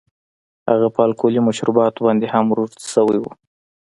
هغه په الکولي مشروباتو باندې هم روږدی شوی و